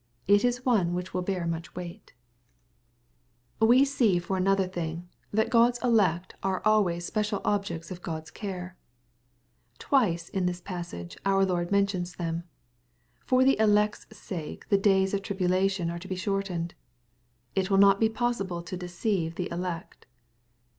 It is one which will bear much weight. ^ 320 SXP08IT0BY THOUGHTS. We see for another thing, ihat OocPs elect are altvaya special olyects of Chd^a care,\ Twice in this passage our Lord mentions them. ^^ For the elect's sake the days of tribulation are to be shortened." It will not be possible to deceive the " elect."